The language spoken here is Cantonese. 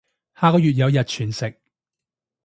下個月有日全食